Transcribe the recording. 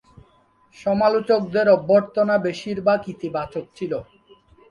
সমালোচকদের অভ্যর্থনা বেশিরভাগ ইতিবাচক ছিল।